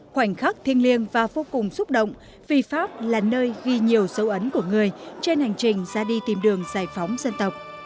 khoảnh khắc thiêng liêng và vô cùng xúc động vì pháp là nơi ghi nhiều dấu ấn của người trên hành trình ra đi tìm đường giải phóng dân tộc